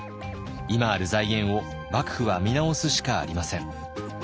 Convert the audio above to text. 今ある財源を幕府は見直すしかありません。